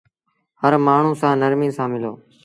هر مآڻهوٚݩ سآݩ نرمي سآݩ ملو۔